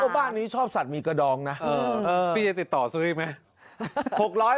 พี่จะติดต่อซื้ออีกมั้ย